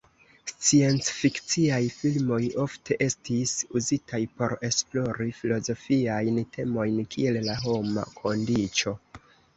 Sciencfikciaj filmoj ofte estis uzitaj por esplori filozofiajn temojn kiel la homa kondiĉo.